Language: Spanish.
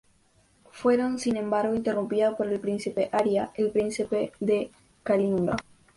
Fueron, sin embargo interrumpida por el príncipe Arya, el Príncipe de Kalinga.